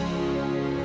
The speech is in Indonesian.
terima kasih mas